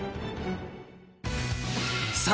さあ